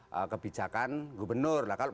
kalau memantau kebijakan gubernur kan punggung